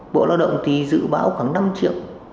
bộ lao động thì dự báo khoảng năm triệu